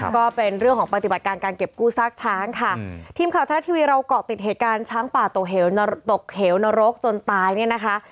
ก็เป็นเรื่องของปฏิบัติการการเก็บกู้ซากช้างค่ะทีมข่าวทะละทีวีเราเกาะติดเหตุการณ์ช้างป่าตกเหวนตกเหวนรกจนตายเนี่ยนะคะ